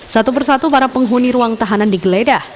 satu persatu para penghuni ruang tahanan digeledah